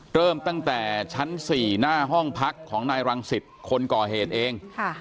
เริ่มตั้งแต่ชั้น๔หน้าห้องพักของนายรังสิตคนก่อเหตุเอง